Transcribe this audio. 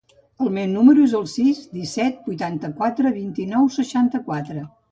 El meu número es el sis, disset, vuitanta-quatre, vint-i-nou, seixanta-quatre.